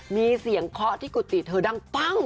มีเสียงเคาะที่กุฏิเธอดังปั้ง